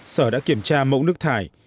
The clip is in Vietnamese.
sở đã kiểm tra mẫu nước thải